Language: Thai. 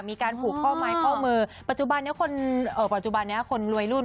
มีการผูกข้อมายข้อมือปัจจุบันนี้คนรวยรุ่น